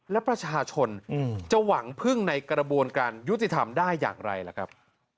และประชาชนจะหวังพึ่งในกระบวนการยุติธรรมได้อย่างไรล่ะครับ